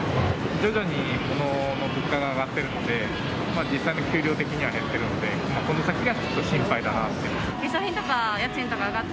徐々に物の物価が上がっているので、実際の給料的には減っているので、この先がちょっと心配だなって。